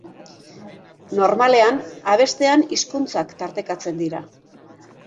Normalean, abestean hizkuntzak tartekatzen dira.